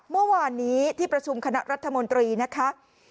เมื่อวานนี้ที่ประชุมคณะรัฐมนตรีนะคะ